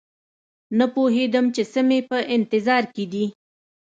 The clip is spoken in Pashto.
نه پوهېدم چې څه مې په انتظار کې دي